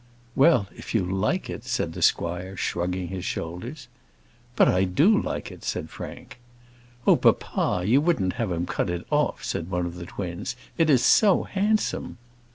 "Well, if you like it!" said the squire, shrugging his shoulders. "But I do like it," said Frank. "Oh, papa, you wouldn't have him cut it off," said one of the twins. "It is so handsome."